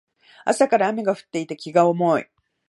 朝から雨が降っていて気が重い